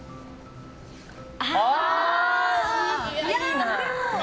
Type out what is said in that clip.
ああ！